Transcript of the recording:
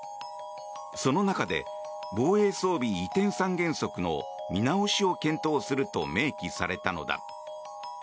その中で防衛装備移転三原則の見直しを検討すると明記されたのだ。